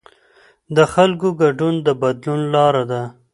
د خلکو ګډون د بدلون لاره ده